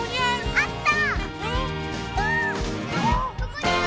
あった！